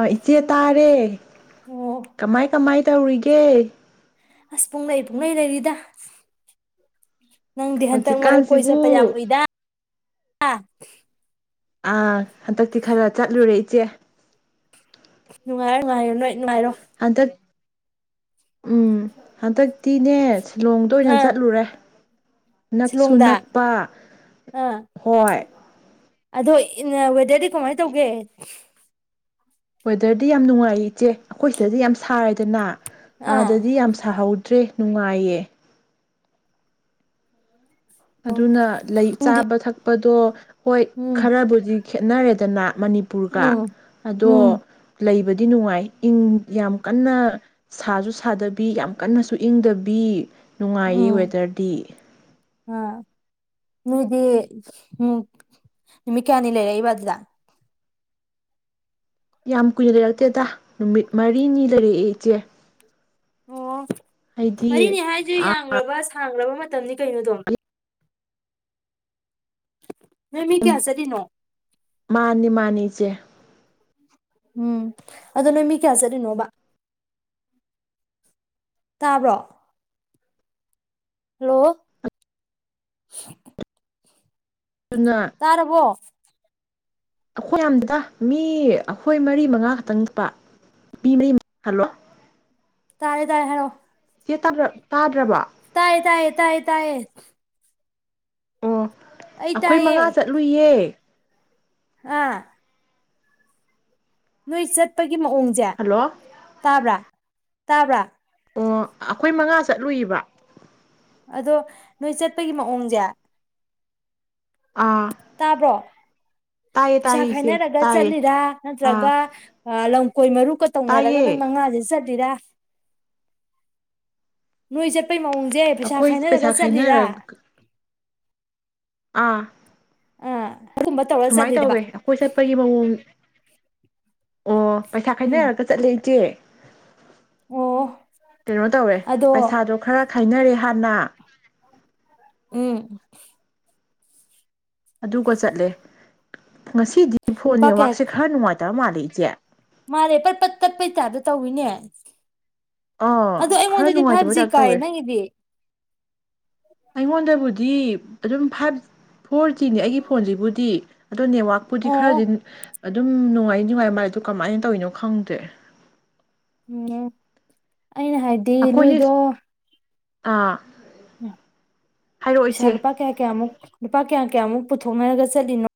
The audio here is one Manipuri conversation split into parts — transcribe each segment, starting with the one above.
ꯑ ꯏꯆꯦ ꯇꯥꯔꯦ ꯑꯣ ꯀꯃꯥꯏ ꯀꯃꯥꯏ ꯇꯧꯔꯤꯒꯦ ꯑꯁ ꯄꯨꯡꯂꯩ ꯄꯨꯡꯂꯩ ꯂꯩꯔꯤꯗ ꯅꯪꯗꯤ ꯍꯟꯇꯛ ꯃꯔꯛ ꯀꯣꯏ ꯆꯠꯄ ꯌꯥꯝ ꯍꯧꯖꯤꯛꯀꯥꯟꯁꯤꯕꯨ ꯎꯏꯗ [inaudible] ꯑꯥ ꯍꯟꯗꯛꯇꯤ ꯈꯔ ꯆꯠꯂꯨꯔꯦ ꯏꯆꯦ ꯅꯨꯉꯥꯏꯔꯦ ꯅꯨꯡꯉꯥꯏꯔꯣ ꯅꯣꯏ ꯅꯨꯡꯉꯥꯏꯔꯣ ꯍꯟꯗꯛ ꯎꯝ ꯍꯟꯗꯛꯇꯤꯅꯦ ꯁꯤꯂꯣꯡꯗ ꯑꯣꯏꯅ ꯑꯥ ꯆꯠꯂꯨꯔꯦ ꯅꯛꯁꯨ ꯁꯤꯂꯣꯡꯗ ꯅꯛꯄ ꯑꯥ ꯍꯣꯏ ꯑꯗꯣ ꯏꯅꯕꯗꯗꯤ ꯀꯃꯥꯏ ꯇꯧꯒꯦ ꯋꯦꯗꯔꯗꯤ ꯌꯥꯝ ꯅꯨꯡꯉꯥꯏ ꯏꯆꯦ ꯑꯩꯈꯣꯏ ꯁꯤꯗꯗꯤ ꯌꯥꯝ ꯁꯥꯔꯦꯗꯅ ꯑꯥ ꯑꯥꯗꯗꯤ ꯌꯥꯝ ꯁꯥꯍꯧ ꯇꯔꯤ ꯅꯨꯡꯉꯥꯏꯌꯦ ꯑꯣ ꯑꯗꯨꯅ ꯂꯩ ꯏꯪꯗꯤ ꯆꯥꯕ ꯊꯛꯄ ꯑꯗꯣ ꯍꯣꯏ ꯎꯝ ꯈꯔꯕꯨꯗꯤ ꯈꯦꯠꯅꯔꯦꯗꯅ ꯃꯅꯤꯄꯨꯔꯒ ꯎꯝ ꯑꯗꯣ ꯎꯝ ꯂꯩꯕꯗꯤ ꯗꯤ ꯅꯨꯡꯉꯥꯏꯪ ꯌꯥꯝ ꯀꯟꯅ ꯁꯥꯁꯨ ꯁꯥꯗꯕꯤ ꯌꯥꯝ ꯀꯟꯅꯁꯨ ꯏꯪꯗꯕꯤ ꯅꯨꯡꯉꯥꯏꯌꯦ ꯋꯦꯗꯔꯗꯤ꯫ ꯎꯝ, ꯅꯣꯏꯗꯤ ꯎꯝ ꯅꯨꯃꯤꯠ ꯀꯌꯥꯅꯤ ꯂꯩꯔꯛꯏꯕꯥ ꯑꯗꯨꯗ ꯌꯥꯝ ꯀꯨꯏꯅ ꯂꯩꯔꯛꯇꯦꯗ, ꯅꯨꯃꯤꯠ ꯃꯔꯤꯅꯤ ꯂꯩꯔꯛꯑꯦ ꯏꯆꯦ꯫ ꯑꯣ ꯍꯥꯏꯗꯤ ꯃꯔꯤꯅꯦ ꯍꯥꯏꯗꯨ ꯌꯥꯝꯈ꯭ꯔꯕ ꯁꯥꯡꯈ꯭ꯔꯕ ꯃꯇꯝꯅꯤ ꯀꯩꯅꯣ ꯑꯗꯨꯝ ꯅꯣꯏ ꯃꯤ ꯀꯌꯥ ꯆꯠꯂꯤ ꯅꯣ ꯃꯥꯅꯤ ꯃꯥꯅꯤ ꯏꯆꯦ ꯎꯝ, ꯑꯗꯣ ꯅꯣꯏ ꯃꯤ ꯀꯌꯥ ꯆꯠꯂꯤꯅꯣꯕ? ꯇꯥꯕ꯭ꯔꯣ? ꯍꯂꯣ ꯑꯗꯨꯅ ꯇꯥꯔꯕ꯭ꯔꯣ? ꯑꯩꯈꯣꯏ ꯌꯥꯝꯗꯦꯗ ꯃꯤ ꯑꯩꯈꯣꯏ ꯃꯔꯤ ꯃꯉꯥ ꯈꯛꯇꯪ ꯆꯠꯄ ꯅꯨꯄꯤ ꯃꯔꯤ ꯍꯂꯣ ꯇꯥꯔꯦ ꯇꯥꯔꯦ ꯍꯥꯏꯔꯛꯑꯣ ꯏꯆꯦ ꯇꯥꯗ ꯇꯥꯗ꯭ꯔꯕꯣ? ꯇꯥꯏꯌꯦ ꯇꯥꯏꯌꯦ ꯇꯥꯏꯌꯦ ꯇꯥꯏꯌꯦ ꯑꯣ ꯑꯩ ꯑꯩꯈꯣꯏ ꯇꯥꯏꯌꯦ ꯃꯉꯥ ꯆꯠꯂꯨꯏꯌꯦ ꯑꯥ ꯅꯣꯏ ꯆꯠꯄꯒꯤ ꯒꯤ ꯃꯑꯣꯡꯁꯦ, ꯍꯜꯂꯣ ꯇꯥꯕ꯭ꯔꯥ? ꯇꯥꯕ꯭ꯔꯥ ꯑꯣ ꯑꯩꯈꯣꯏ ꯃꯉꯥ ꯆꯠꯂꯨꯏꯕꯥ꯫ ꯑꯗꯣ ꯅꯣꯏ ꯆꯠꯄꯒꯤ ꯃꯑꯣꯡꯖꯦ ꯑꯥ ꯇꯥꯕ꯭ꯔꯣ ꯇꯥꯏꯌꯦ ꯄꯩꯁꯥ ꯇꯥꯏꯌꯦ ꯏꯆꯦ ꯈꯥꯏꯅꯔꯒ ꯇꯥꯏꯌꯦ ꯆꯠꯂꯤꯔꯥ ꯑꯥ ꯅꯠꯇ꯭ꯔꯒ ꯑ ꯂꯝ ꯈꯣꯏ ꯃꯔꯨꯄꯀ ꯇꯧꯅꯔꯒ ꯇꯥꯏꯌꯦ ꯅꯣꯏ ꯃꯉꯥꯁꯦ ꯆꯠ ꯇꯦꯗ ꯅꯣꯏꯁꯦ ꯆꯠꯄꯒꯤ ꯃꯑꯣꯡꯁꯦ ꯄꯩꯁꯥ ꯑꯩꯈꯣꯏ ꯈꯥꯏꯅꯔꯒ ꯆꯠꯂꯤꯔꯥ? ꯈꯥꯏꯅꯔꯒ ꯑꯥ ꯑꯥ ꯑꯗꯨꯒꯨꯝꯕ ꯇꯧꯔ ꯁꯨꯃꯥꯏ ꯆꯠꯂꯤꯔꯕ ꯇꯧꯋꯦ ꯑꯩꯈꯣꯏ ꯆꯠꯄꯒꯤ ꯃꯑꯣꯡ ꯑꯣ ꯄꯩꯁꯥ ꯎꯝ ꯈꯥꯏꯩꯅꯔꯒ ꯆꯠꯂꯦ ꯏꯆꯦ꯫ ꯑꯣ ꯀꯩꯅꯣ ꯇꯧꯔꯦ ꯑꯗꯣ ꯄꯩꯁꯥꯗꯣ ꯈꯔ ꯈꯥꯏꯅꯔꯦ ꯁꯅꯥ ꯎꯝ ꯑꯗꯨꯒ ꯆꯠꯂꯦ ꯉꯁꯤꯗꯤ ꯐꯣꯟ ꯅꯦꯠꯋꯥꯛꯁꯦ ꯈꯔ ꯅꯨꯡꯉꯥꯏꯇꯕ ꯃꯥꯜꯂꯤ [unintelligible] ꯑꯩꯖꯦ ꯃꯥꯂꯦ ꯄꯠ ꯄꯠ ꯄꯠꯄꯩ ꯇꯥꯕꯗꯣ ꯇꯧꯋꯤꯅꯦ ꯑꯥ ꯑꯗꯣ ꯈꯔ ꯑꯩꯉꯣꯟꯗꯗꯤ ꯐꯥꯏꯚ ꯖꯤ ꯅꯨꯡꯉꯥꯏꯇꯕꯗꯥꯛ ꯀꯥꯏꯌꯦ ꯇꯧꯋꯦ ꯅꯪꯒꯤꯗꯤ ꯑꯩꯉꯣꯟꯗꯕꯨꯗꯤ ꯗꯤ ꯑꯗꯨꯝ ꯐꯥꯏꯚ ꯐꯣꯔ ꯖꯤꯅꯦ ꯑꯩꯒꯤ ꯐꯣꯟꯖꯤꯕꯨꯗꯤ ꯑꯗꯣ ꯅꯦꯋꯥꯛꯄꯨꯗꯤ ꯑꯣ ꯈꯔꯗꯤ ꯑꯗꯨꯝ ꯅꯨꯡꯉꯥꯏ ꯅꯨꯡꯉꯥꯏ ꯃꯥꯜꯂꯦ ꯗꯣ ꯀꯃꯥꯏ ꯇꯧꯋꯤꯅꯣ ꯈꯪꯗ꯭ꯔꯦ꯫ ꯎꯝ꯫ ꯑꯩꯅ ꯍꯥꯏꯗꯤ ꯅꯣꯏꯗꯣ ꯑꯩꯈꯣꯏꯁꯦ ꯑꯥ꯫ ꯍꯥꯏꯔꯛꯑꯣ ꯁꯥ ꯏꯆꯦ ꯂꯨꯜꯄꯥ ꯀꯌꯥ ꯀꯌꯥ ꯃꯨꯛ ꯂꯨꯄꯥ ꯀꯌꯥꯝ ꯀꯌꯥꯃꯨꯛ ꯄꯨꯊꯣꯛꯅꯔꯒ ꯆꯠꯂꯤꯅꯣ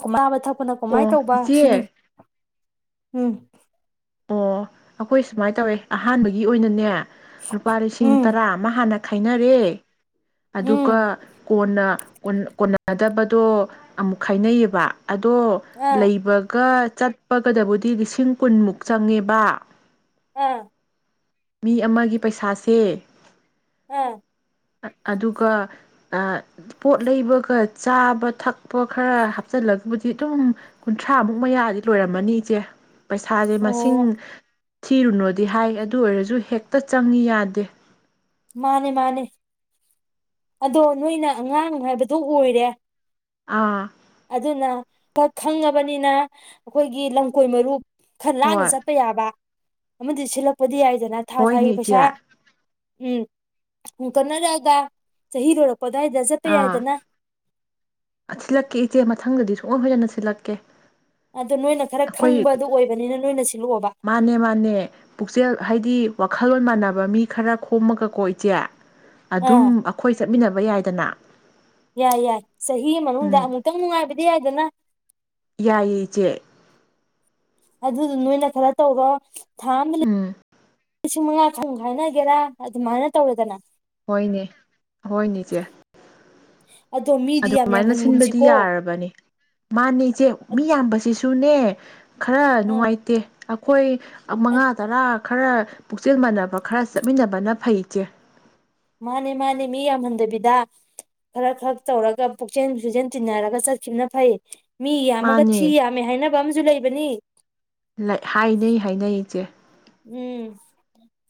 ꯆꯥꯕꯥ ꯊꯛ ꯅ ꯀꯃꯥꯏ ꯑꯣ ꯇꯧꯕ ꯁꯤꯅꯤ꯫ ꯏꯆꯦ ꯎꯝ꯫ ꯑꯣ ꯑꯩꯈꯣꯏ ꯁꯨꯃꯥꯏ ꯇꯧꯋꯦ ꯑꯍꯥꯟꯕꯒꯤ ꯑꯣꯏꯅꯅꯦ ꯂꯨꯄꯥ ꯂꯤꯁꯤꯡ ꯎꯝ ꯇꯔꯥ ꯑꯃ ꯍꯥꯅ ꯍꯥꯏꯅꯔꯦ꯫ ꯑꯗꯨꯒ ꯎꯝ ꯀꯣꯟꯅ ꯀꯣꯟꯅ ꯀꯣꯟꯅꯗꯕꯗꯣ ꯑꯃꯨꯛ ꯈꯥꯏꯅꯩꯌꯦꯕ꯫ ꯑꯗꯣ ꯑꯥ ꯂꯩꯕꯒ ꯆꯠꯄꯒꯗꯕꯨꯗꯤ ꯂꯤꯁꯤꯡ ꯀꯨꯟꯃꯨꯛ ꯆꯪꯉꯦꯕ꯫ [unintelligible] ꯃꯤ ꯑꯃꯒꯤ ꯄꯩꯁꯥꯁꯦ꯫ [unintelligible] ꯑꯗꯨꯒ ꯑꯥ ꯄꯣꯠ ꯂꯩꯕꯒ ꯆꯥꯕ ꯊꯛꯄ ꯈꯔ ꯍꯥꯞꯆꯤꯜꯂꯒꯕꯨꯗꯤ ꯑꯗꯨꯝ ꯀꯨꯟꯊ꯭ꯔꯥꯃꯨꯛ ꯃꯌꯥꯗꯤ ꯂꯣꯏꯔꯝꯃꯅꯤ ꯏꯆꯦ ꯄꯩꯁꯥ ꯁꯤꯡ ꯑꯣ ꯊꯤꯔꯨꯅꯣꯗꯤ ꯍꯥꯏ ꯑꯗꯨ ꯑꯣꯏꯔꯖꯨ ꯍꯦꯛꯇ ꯆꯪꯉꯤ ꯌꯥꯗꯦ꯫ ꯃꯥꯅꯦ ꯃꯥꯅꯦ ꯑꯗꯣ ꯅꯣꯏꯅ ꯑꯉꯥꯡ ꯍꯥꯏꯕꯗꯨꯣ ꯑꯣꯏꯔꯦ ꯑꯥ ꯑꯗꯨꯅ ꯀ ꯈꯪꯉꯕꯅꯤꯅ ꯑꯈꯣꯏꯒꯤ ꯂꯝꯀꯣꯏ ꯃꯔꯨꯞ ꯈꯔ ꯂꯥꯟꯅ ꯍꯣꯏ ꯆꯠꯄ ꯌꯥꯕ ꯑꯃꯗꯤ ꯁꯤꯂꯛꯄꯗꯤ ꯌꯥꯏ ꯐꯖꯅ ꯊꯥ ꯊꯥꯒꯤ ꯍꯣꯏꯅꯦ ꯏꯆꯦ ꯄꯩꯁꯥ ꯎꯝ ꯎ ꯇꯟꯅꯔꯒ ꯆꯍꯤ ꯂꯣꯏꯔꯛ ꯄꯗꯥꯏꯗ ꯆꯠꯇ ꯑꯥ ꯌꯥꯏꯗꯅ ꯀꯦ ꯏꯆꯦ ꯃꯊꯪꯗꯗꯤ ꯁꯨꯍꯣꯏ ꯍꯣꯏꯗꯅ ꯁꯤꯜꯂꯛꯀꯦ ꯑꯗꯨ ꯅꯣꯏꯅ ꯈꯔ ꯑꯩꯈꯣꯏ ꯈꯪꯕꯗꯨ ꯑꯣꯏꯕꯅꯤꯅ ꯅꯣꯏꯅ ꯁꯤ ꯃꯥꯅꯦ ꯃꯥꯅꯦ ꯄꯨꯛꯆꯦꯜ ꯍꯥꯏꯗꯤ ꯋꯥꯈꯜꯂꯣꯟ ꯃꯥꯟꯅꯕ ꯃꯤ ꯈꯔ ꯈꯣꯝꯃꯒꯀꯣ ꯏꯆꯦ ꯑꯗꯨꯝ ꯑꯥ ꯑꯈꯣꯏ ꯆꯠ ꯆꯠꯃꯤꯟꯅꯕ ꯌꯥꯏꯗꯅ ꯌꯥꯏ ꯌꯥꯏ ꯆꯍꯤ ꯃꯅꯨꯡꯗ ꯎꯝ ꯑꯃꯨꯛꯇꯪ ꯅꯨꯡꯉꯥꯏꯕꯗꯤ ꯌꯥꯏꯗꯅ꯫ ꯌꯥꯏꯌꯦ꯫ ꯑꯗꯨꯗꯨ ꯅꯣꯏꯅ ꯈꯔ ꯇꯧꯔꯣ ꯊꯥ ꯑꯃꯗ ꯎꯝ ꯂꯤꯁꯤꯡ ꯃꯉꯥ ꯈꯪ ꯈꯥꯏꯅꯒꯦꯔꯥ ꯑꯗꯨꯃꯥꯏꯅ ꯇꯧꯔꯦꯗꯅ꯫ ꯍꯣꯏꯅꯦ ꯍꯣꯏꯅꯦꯁꯦ ꯑꯗꯣ ꯃꯤꯗꯤ ꯌꯥꯝ ꯑꯗꯨꯃꯥꯏꯅ ꯁꯤꯟꯕꯗꯤ ꯌꯥꯝꯍꯟꯒꯨꯝꯁꯤꯀꯣ ꯌꯥꯔꯕꯅꯤ ꯃꯥꯅꯦ ꯏꯆꯦ ꯃꯤ ꯌꯥꯝꯕꯁꯤꯁꯨ ꯁꯨꯟꯅ ꯈꯔ ꯅꯨꯡꯉꯥꯏꯇꯦ꯫ ꯍꯣꯏ ꯑ ꯃꯉꯥ ꯇꯔꯥ ꯈꯔ ꯄꯨꯛꯆꯦꯜ ꯃꯥꯟꯅꯕ ꯈꯔ ꯆꯠꯃꯤꯟꯅꯕꯅ ꯐꯩ ꯏꯆꯦ꯫ ꯃꯥꯅꯤ ꯃꯥꯅꯦ ꯃꯤ ꯌꯥꯝꯍꯟꯗꯕꯤꯗ ꯈꯔ ꯈꯔ ꯇꯧꯔꯒ ꯄꯨꯛꯆꯦꯟ ꯁꯆꯦꯟ ꯇꯤꯟꯅꯔꯒ ꯆꯠꯈꯤꯕꯅ ꯐꯩ꯫ ꯃꯤ ꯌꯥꯝꯃꯒ ꯃꯥꯅꯦ ꯊꯤ ꯌꯥꯝꯃꯦ ꯍꯥꯏꯅꯕ ꯑꯃꯁꯝꯨ ꯂꯩꯕꯅꯤ꯫ ꯍꯥꯏꯅꯩ ꯍꯥꯏꯅꯩ ꯏꯆꯦ ꯎꯝ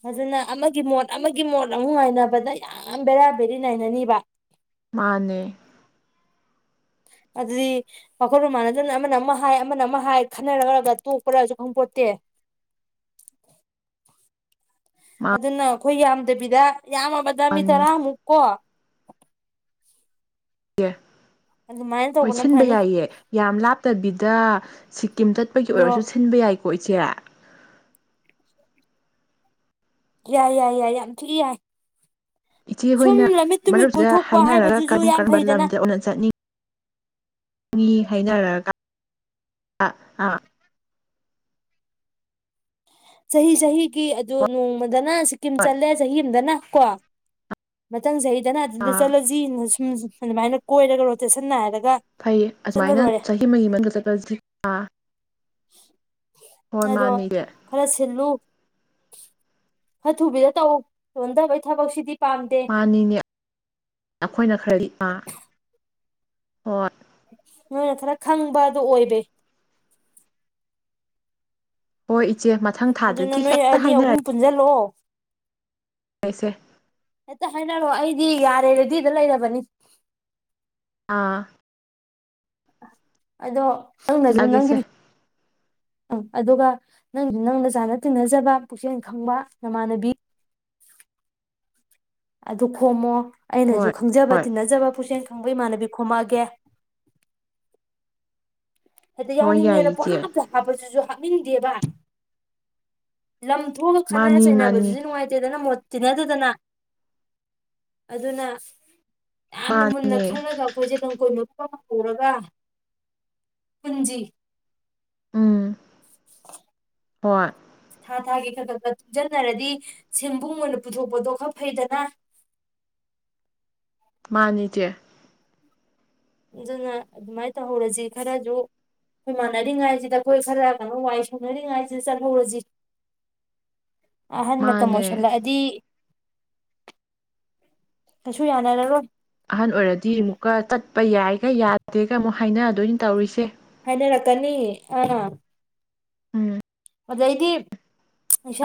ꯑꯗꯨꯅ ꯑꯃꯒꯤ ꯃꯣꯠ ꯑꯃꯒꯤ ꯃꯣꯠ ꯑꯃꯨꯛ ꯉꯥꯏꯅꯕꯗ ꯌꯥꯝ ꯕꯦꯔꯥ ꯕꯦꯔꯤ ꯉꯥꯏꯏꯅꯅꯤꯕ꯫ ꯃꯥꯅꯦ꯫ ꯑꯗꯨꯗꯤ ꯋꯥꯈꯜ ꯃ ꯃꯥꯟꯅꯗꯅ ꯑꯃꯅ ꯑꯃ ꯍꯥꯏ ꯑꯃꯅ ꯑꯃ ꯍꯥꯏ ꯈꯟꯅꯔꯔꯒ ꯇꯣꯛꯄꯔꯁꯨ ꯈꯪꯄꯣꯠꯇꯦ ꯑꯗꯨꯅ ꯑꯩꯈꯣꯏ ꯌꯥꯝꯗꯕꯤꯗ ꯌꯥꯝꯃꯗ ꯃꯤ ꯇꯔ ꯃꯥꯅꯤꯆꯦ ꯃꯨꯛꯀꯦ ꯌꯦ ꯑꯗꯨꯃꯥꯏꯅ ꯍꯣꯏ ꯇꯧꯕꯅ ꯁꯤꯟꯕ ꯐꯅꯤ ꯌꯥꯏꯌꯦ ꯌꯥꯝ ꯂꯥꯞꯇꯕꯤꯗ ꯁꯤ ꯇꯤꯝ ꯆꯠꯄꯒꯤ ꯅꯤꯉꯣꯜ ꯑꯣꯏꯔꯁꯨ ꯁꯤꯟꯕ ꯌꯥꯏ ꯍꯣ ꯏꯆꯦ ꯌꯥꯏ ꯌꯥꯏ ꯌꯥꯏ ꯌꯥꯝ ꯊꯤ ꯌꯥꯏ ꯁꯨꯝ ꯏꯆꯦꯍꯣꯏꯅ ꯂꯝꯃꯤꯠ ꯇꯨꯃꯤꯠ ꯃꯔꯨꯞꯁꯤꯗ ꯀꯣꯏꯊꯣꯛꯄ ꯍꯥꯏꯅꯔꯒ ꯍꯥꯏꯕꯗꯨꯁꯨ ꯀꯔꯝ ꯌꯥꯝ ꯀꯔꯝꯕ ꯐꯩꯗꯅ ꯂꯝꯗ ꯑꯣꯟꯅ ꯆꯠꯅꯤ ꯃꯤ ꯍꯥꯏꯅꯔꯒ ꯑꯥ ꯆꯍꯤ ꯆꯍꯤꯒꯤ ꯑꯗꯨ ꯍꯣꯏ ꯅꯣꯡꯃ ꯗꯅ ꯁꯤꯀꯤꯝ ꯍꯣꯏ ꯆꯠꯂꯦ ꯆꯍꯤ ꯑꯃꯗꯅ ꯀꯣ ꯃꯊꯪ ꯆꯍꯤ [unintelligible] ꯑꯥ ꯆꯠꯂꯁꯤ [unintelligible] ꯑꯗꯨꯃꯥꯏꯅ ꯀꯣꯏꯔꯒ ꯔꯣꯇꯦꯁꯟ ꯅꯥꯏꯔ [unintelligible] ꯐꯩꯌꯦ ꯑꯁꯨꯃꯥꯏꯅ ꯆꯍꯤ ꯑꯃꯒꯤ ꯃꯅꯨꯡꯗ ꯆꯠꯄꯁꯤꯅ ꯑꯗꯣ ꯈꯔ ꯁꯤꯜꯂꯨ [inaudible] ꯈꯔꯊꯨꯕꯤꯗ ꯇꯧ ꯆꯣꯟꯗꯕꯩ ꯊꯕꯛꯁꯤꯗꯤ ꯄꯥꯝꯗꯦ ꯃꯥꯅꯤꯅꯦ ꯑꯩꯈꯣꯏꯅ ꯈꯔ [unintelligible] ꯍꯣꯏ ꯅꯣꯏꯅ ꯈꯔ ꯈꯪꯕ ꯑꯗꯨꯣ ꯑꯣꯏꯔꯦ꯫ ꯍꯣꯏ ꯏꯆꯦ ꯃꯊꯪ ꯑꯗꯨꯅ ꯊꯥꯗꯒꯤ ꯅꯣꯏ ꯍꯦꯛꯇ ꯑꯅꯤ ꯑꯍꯨꯝ ꯍꯥꯏꯅꯔꯒꯦ ꯄꯨꯟꯁꯜꯂꯣ ꯏꯆꯦ ꯍꯦꯛꯇꯥ ꯍꯥꯏꯅꯔꯣ ꯑꯩ [unintelligible] ꯗꯤ ꯌꯥꯔꯦ ꯔꯦꯗꯤꯗ ꯂꯩꯔꯕꯅꯤ ꯑꯥ ꯑꯗꯣ ꯅꯪꯅꯖꯨ ꯊꯤꯜꯂꯛꯑꯒꯦ ꯅꯪꯒꯤ ꯏꯆꯦ [unintelligible] ꯑꯗꯨꯒ ꯅꯪ ꯅꯪꯅ ꯆꯥꯅ ꯇꯤꯟꯅꯖꯕ ꯄꯨꯛꯆꯦꯜ ꯈꯪꯕ ꯅꯃꯥꯟꯅꯕꯤ ꯑꯗꯨ ꯈꯣꯝꯃꯣ ꯑꯩꯅꯁꯨ ꯍꯣꯏ ꯈꯪꯖꯕ ꯍꯣꯏ ꯇꯤꯟꯅꯖꯕ ꯄꯨꯛꯆꯦꯜ [unintelligible] ꯈꯪꯕ ꯏꯃꯥꯟꯅꯕꯤ ꯈꯣꯝꯃꯛꯑꯒꯦ ꯍꯦꯛꯇ ꯍꯣꯏ ꯌꯥꯏ ꯌꯥꯎꯅꯤꯡꯉꯦꯅ ꯏꯆꯦ ꯄꯦꯍꯥꯞꯇ ꯍꯥꯞꯄꯁꯤꯁꯨ ꯍꯥꯞꯅꯤꯡꯗꯦꯕ ꯂꯝ ꯊꯣꯛꯑꯒ ꯈꯠꯅꯔ ꯃꯥꯅꯤ ꯃꯥꯅꯤ ꯆꯩꯅꯕꯁꯤꯗꯤ ꯅꯨꯡꯉꯥꯏꯇꯦꯗꯅ ꯃꯣꯠ ꯇꯤꯟꯅꯗꯗꯅ ꯑꯗꯨꯅ ꯌꯥꯝꯅ ꯃꯨꯟꯅ ꯃꯥꯅꯦ ꯈꯜꯂꯒ [unintelligible] ꯐꯛ ꯄꯨꯔꯒ ꯄꯨꯟꯖꯤ ꯎꯝ ꯍꯣꯏ ꯊꯥ ꯊꯥꯒꯤ ꯈꯛ ꯈꯛꯇ ꯇꯨꯡꯁꯤꯟꯅꯔꯗꯤ ꯁꯦꯟꯕꯨꯡ ꯑꯣꯏꯅ ꯄꯨꯊꯣꯛꯄꯗꯣ ꯈꯔ ꯐꯩꯗꯅ ꯃꯥꯅꯤ ꯏꯆꯦ ꯑꯗꯨꯅ ꯑꯗꯨꯃꯥꯏꯅ ꯇꯧꯍꯧꯔꯁꯤ ꯈꯔꯁꯨ ꯑꯩꯈꯣꯏ ꯃꯥꯟꯅꯔꯤꯉꯥꯏꯁꯤꯗ ꯑꯩꯈꯣꯏ ꯈꯔ ꯀꯩꯅꯣ ꯋꯥꯏ ꯁꯡꯅꯔꯤꯉꯥꯏꯁꯤꯗ ꯆꯠꯍꯧꯔꯁꯤ ꯑꯍꯟ ꯃꯇꯝ ꯃꯥꯅꯦ ꯑꯣꯏꯁꯜꯂꯛꯑꯗꯤ ꯀꯩꯁꯨ ꯌꯥꯅꯔꯔꯣꯏ ꯑꯍꯟ ꯑꯣꯏꯔꯗꯤ ꯑꯃꯨꯛꯀ ꯆꯠꯄ [unintelligible] ꯌꯥꯗꯦꯒ ꯑꯃꯨꯛ ꯍꯥꯏꯅꯗꯣꯏꯅꯤ ꯇꯧꯔꯤꯁꯦ ꯔꯀꯅꯤ ꯑ [unintelligible] ꯎꯝ ꯑꯗꯩꯗꯤ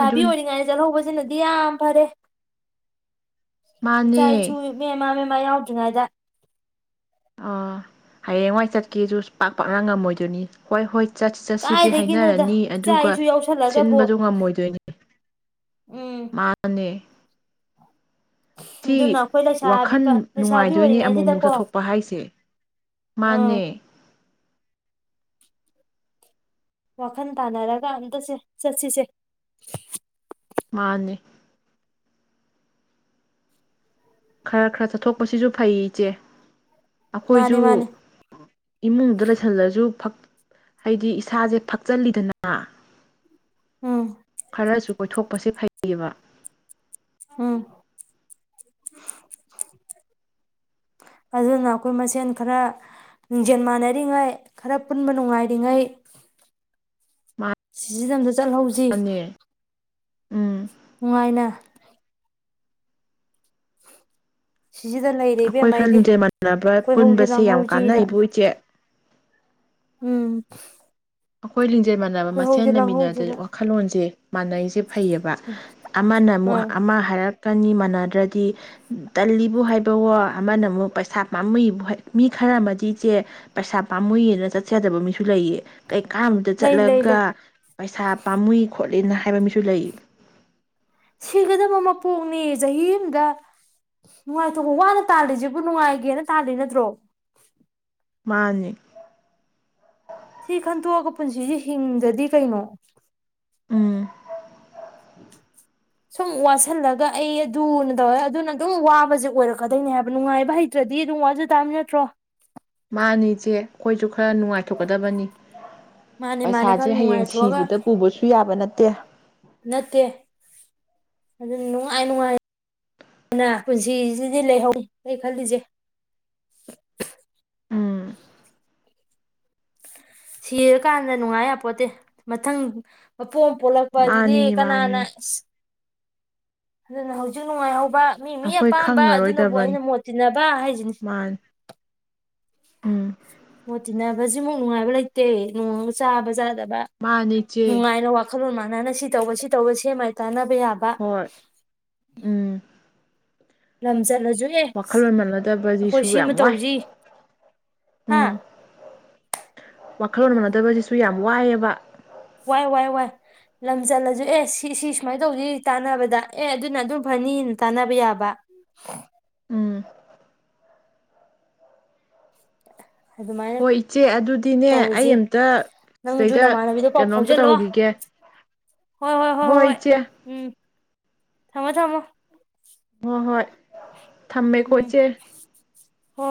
ꯑꯗꯨ ꯑꯣꯏꯔꯤꯉꯩꯗ ꯆꯠꯍꯧꯕ [unintelligible] ꯅꯗꯤ ꯌꯥꯝ ꯐꯔꯦ ꯏꯆꯥ ꯃꯥꯅꯦ ꯏꯁꯨ [unintelligible] ꯃꯥ ꯃ ꯌꯥꯎꯗ꯭ꯔꯤꯉꯩꯗ ꯑꯥ ꯍꯌꯦꯡꯋꯥꯏ ꯆꯠꯀꯦꯁꯨ ꯄꯥꯛ ꯄꯥꯛꯅ ꯉꯝꯃꯣꯏꯗꯣꯏꯅꯤ ꯍꯣꯏ ꯍꯣꯏ ꯆꯠꯁꯤ ꯆꯠꯁꯤꯗꯤ ꯀꯥꯏꯗꯒꯤꯅꯣꯗ ꯍꯥꯏꯅꯔꯅꯤ ꯏꯆꯥ ꯑꯗꯨꯒ ꯏꯁꯨ ꯌꯥꯎꯁꯜꯂꯒꯕꯨ ꯁꯤꯟꯕꯗꯣ ꯉꯝꯃꯣꯏꯗꯣꯏꯅꯦ ꯎꯝ ꯃꯥꯅꯦ ꯁꯤ ꯑꯗꯨꯅ ꯑꯩꯈꯣꯏ ꯂꯩꯁꯥꯕꯤ ꯋꯥꯈꯜ ꯂꯩꯁꯥꯕꯤ ꯅꯨꯡꯉꯥꯏꯗꯣꯏꯅꯦ ꯑꯃꯨꯛ ꯑꯃꯨꯛ ꯑꯣꯏꯔꯤꯉꯩꯁꯤꯗꯀꯣ ꯆꯠꯊꯣꯛꯄ ꯍꯥꯏꯁꯦ ꯑꯥ ꯃꯥꯅꯦ ꯋꯥꯈꯜ ꯇꯥꯅꯔꯒ ꯑꯝꯇꯁꯦ ꯆꯠꯁꯤꯁꯦ ꯃꯥꯅꯦ ꯈꯔ ꯈꯔ ꯆꯠꯊꯣꯛꯄꯁꯤꯁꯨ ꯐꯩ ꯏꯆꯦ ꯑꯈꯣꯏꯁꯨ ꯃꯥꯅꯤ ꯃꯥꯅꯤ ꯏꯃꯨꯡꯗ ꯂꯩꯁꯜꯂꯁꯨ [unintelligible] ꯍꯥꯏꯗꯤ ꯏꯁꯥꯁꯦ ꯐꯛꯆꯜꯂꯤꯗꯅ ꯎꯝ ꯈꯔꯁꯨ ꯑꯣꯏꯊꯣꯛꯄꯁꯦ ꯐꯩꯌꯦꯕ ꯎꯝ ꯑꯗꯨꯅ ꯑꯈꯣꯏ ꯃꯁꯦꯟ ꯈꯔ ꯂꯤꯡꯖꯦꯜ ꯃꯥꯟꯅꯔꯤꯉꯩ ꯈꯔ ꯄꯨꯟꯕ ꯅꯨꯡꯉꯥꯏꯔꯤꯉꯩ [unintelligible] ꯆꯠꯍꯧꯖꯤ ꯃꯥꯅꯦ ꯎꯝ ꯅꯨꯡꯉꯥꯏꯅ ꯁꯤꯁꯤꯗ ꯂꯩꯔꯦ ꯑꯈꯣꯏ ꯏꯕꯦꯝꯃ ꯈꯔ ꯑꯩꯗꯤ ꯂꯤꯡꯖꯦꯜ ꯃꯥꯟꯅꯕ ꯀꯣꯏꯍꯧꯁꯤ ꯄꯨꯟꯕꯁꯦ ꯌꯥꯝ ꯂꯥꯡꯍꯧꯁꯤꯅ ꯀꯥꯟꯅꯩꯕꯨ ꯏꯆꯦ ꯎꯝ [unintelligible] [unintelligible] ꯃꯥꯟꯅꯕ ꯀꯣꯏꯍꯧꯁꯤ ꯃꯁꯦꯟ ꯂꯩꯃꯤꯟꯅꯗ ꯂꯥꯡꯍꯧꯁꯤꯅ ꯋꯥꯈꯜꯂꯣꯟꯁꯦ ꯃꯥꯟꯅꯩ [unintelligible] ꯐꯩꯌꯦꯕ ꯑꯃꯅ ꯑꯃꯨꯛ ꯑꯥ ꯑꯃ ꯍꯥꯏꯔꯛ ꯀꯟꯅꯤ ꯃꯥꯟꯅꯗ꯭ꯔꯗꯤ ꯇꯜꯂꯤꯕꯨ ꯍꯥꯏꯕꯋꯣ ꯑꯃꯅ ꯑꯃꯨꯛ ꯄꯩꯁꯥ ꯄꯥꯝꯃꯨꯏꯕꯨ ꯃꯤ ꯈꯔ ꯑꯃꯗꯤ ꯏꯆꯦ ꯄꯩꯁꯥ ꯄꯥꯝꯃꯨꯏꯌꯦꯅ ꯆꯠꯆꯗꯕ ꯃꯤꯁꯨ ꯂꯩꯌꯦ [unintelligible] ꯀꯩꯀꯥꯝꯗ ꯂꯩ ꯂꯩ ꯆꯠꯂꯒ ꯂꯩ ꯄꯩꯁꯥ ꯄꯥꯝꯃꯨꯏ ꯈꯣꯠꯂꯤꯅ ꯍꯥꯏꯕ ꯃꯤ ꯁꯤꯒꯗꯕ ꯃꯄꯣ ꯍꯣꯡꯅꯤ ꯆꯍꯤ ꯑꯝꯗ ꯅꯨꯡꯉꯥꯏꯊꯣꯛꯄ ꯋꯥꯅ ꯇꯥꯜꯂꯤꯁꯤꯕꯨ ꯅꯨꯡꯉꯥꯏꯒꯦꯅ ꯇꯥꯜꯂꯤ ꯅꯠꯇ꯭ꯔꯣ꯫ ꯃꯥꯅꯤ ꯁꯤ ꯈꯟꯇꯣꯛꯑꯒ ꯄꯨꯟꯁꯤꯁꯤ ꯍꯤꯡꯗ꯭ꯔꯗꯤ ꯀꯩꯅꯣ꯫ ꯎꯝ ꯁꯨꯝ ꯋꯥꯁꯤꯜꯂꯒ ꯑꯩ ꯑꯗꯨꯅ ꯇꯧꯋꯦ ꯑꯗꯨꯅ ꯑꯗꯨꯝ ꯋꯥꯕꯁꯦ ꯑꯣꯏꯔꯛꯀꯗꯣꯏꯅꯦ ꯍꯥꯏꯕ ꯅꯨꯡꯉꯥꯏꯕ ꯍꯩꯇ꯭ꯔꯗꯤ ꯑꯗꯨꯝ ꯋꯥꯖꯥ ꯇꯥꯝꯃꯤ ꯅꯠꯇ꯭ꯔꯣ꯫ ꯃꯥꯅꯤ ꯏꯆꯦ ꯑꯩꯈꯣꯏꯁꯨ ꯈꯔ ꯅꯨꯡꯉꯥꯏꯊꯣꯛꯀꯗꯕꯅꯤ꯫ ꯃꯥꯅꯦ ꯃꯥꯅꯦ ꯄꯩꯁꯥꯁꯦ ꯈꯔ ꯍꯌꯦꯡ ꯅꯨꯡꯉꯥꯏꯊꯣꯛꯑꯒ ꯁꯤꯕꯗ ꯄꯨꯕꯁꯨ ꯌꯥꯕ ꯅꯠ ꯇꯦ ꯅꯠꯇꯦ ꯑꯗꯨ ꯅꯨꯡꯉꯥꯏ ꯅꯨꯡꯉꯥꯏꯅ ꯄꯨꯟꯁꯤꯁꯤꯗꯤ ꯂꯩꯍꯧꯅꯤ ꯑꯩ ꯈꯜꯂꯤꯁꯦ꯫ ꯎꯝ ꯁꯤꯔꯀꯥꯟꯗ ꯅꯨꯡꯉꯥꯏ ꯌꯥꯄꯣꯠꯇꯦ ꯃꯊꯪ ꯄꯣꯛ ꯄꯣꯛꯂꯛꯄ ꯑꯗꯨꯗꯤ ꯃꯥꯅꯤꯅꯦ ꯀꯅꯥꯅ ꯃꯥꯅꯤꯅꯦ ꯑꯁ ꯑꯗꯨꯅ ꯍꯧꯖꯤꯛ ꯅꯨꯡꯉꯥꯏꯍꯧ ꯄ ꯃꯤꯃꯤ ꯑꯩꯈꯣꯏ ꯑꯄꯥꯝꯕ ꯑꯗꯨꯅꯕꯨ ꯈꯪꯉꯔꯣꯏꯗꯕꯅꯤ ꯑꯩꯅ ꯃꯣꯠ ꯇꯤꯟꯅꯕ ꯍꯥꯏꯁꯤꯅꯤ ꯃꯥꯅꯤ ꯎꯝ ꯃꯣꯠ ꯇꯤꯟꯅꯕ ꯁꯤꯃꯨꯛ ꯅꯨꯡꯉꯥꯏꯕ ꯂꯩ ꯇꯦ ꯅꯣꯡꯃ ꯆꯥꯕ ꯆꯥꯗꯕ ꯃꯥꯅꯤ [unintelligible] ꯏꯆꯦ ꯅꯨꯡꯉꯥꯏꯔ ꯋꯥ [unintelligible] ꯋꯥꯈꯜꯂꯣꯟ ꯃꯥꯟꯅꯅ ꯁꯤ ꯇꯧꯕ ꯁꯤ ꯇꯧꯕ ꯁꯦ ꯃꯥꯏ ꯇꯥꯅꯕ ꯌꯥꯕ ꯍꯣꯏ ꯎꯝ ꯂꯝ ꯆꯠꯂ ꯋꯥꯈꯜꯂꯣꯟ ꯃꯥꯟꯅꯗꯕꯖꯤꯁꯨ ꯌꯥꯝ ꯋꯥꯏ ꯇꯧꯁꯤ ꯍꯥ ꯎꯝ ꯋꯥꯈꯜꯂꯣꯟ ꯃꯥꯟꯅꯗꯕꯖꯤꯁꯨ ꯌꯥꯝ ꯋꯥꯏꯌꯦꯕ꯫ ꯋꯥꯏ ꯋꯥꯏ ꯋꯥꯏ ꯂꯝ ꯆꯜꯂꯖꯨ ꯑꯦ ꯁꯤ ꯁꯤ ꯁꯨꯃꯥꯏꯅ ꯇꯧꯖꯤ ꯇꯥꯟꯅꯕꯗ ꯑꯦ ꯑꯗꯨꯅ ꯑꯗꯨ ꯐꯅꯤꯅ ꯇꯥꯟꯅꯕ ꯌꯥꯕ ꯎꯝ ꯑꯗꯨꯃꯥꯏꯅ ꯍꯣꯏ ꯏꯆꯦ ꯑꯗꯨꯗꯤꯅꯦ ꯑꯩ ꯇꯧꯔꯁꯤ ꯑꯝꯇ ꯅꯪꯁꯨ ꯁꯤꯗꯩꯗ ꯅꯃꯥꯟꯅꯕꯤꯗꯣ ꯄꯥꯎ ꯀꯩꯅꯣꯝꯇ ꯐꯥꯎꯖꯜꯂꯣ ꯇꯧꯈꯤꯒꯦ ꯍꯣꯏ ꯏꯆꯦ꯫ ꯎꯝ ꯊꯝꯃꯣ ꯊꯝꯃꯣ꯫ ꯍꯣ ꯍꯣꯏ꯫ ꯊꯝꯃꯦꯀꯣ ꯏꯆꯦ꯫ ꯍꯣ